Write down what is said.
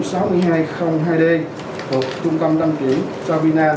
xe đầu kéo mang biển số sáu mươi hai r hai d thuộc trung tâm đăng kiểm sabina